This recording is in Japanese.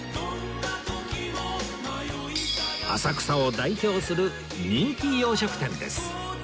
浅草を代表する人気洋食店です